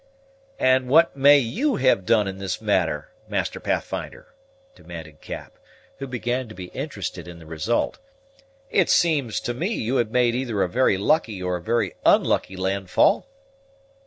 "And what may you have done in this matter, Master Pathfinder?" demanded Cap, who began to be interested in the result; "it seems to me you had made either a very lucky, or a very unlucky landfall."